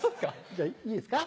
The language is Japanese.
じゃいいですか？